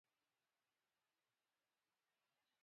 مېکاروني مو زړه نه مني.